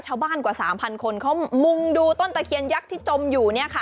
กว่า๓๐๐คนเขามุงดูต้นตะเคียนยักษ์ที่จมอยู่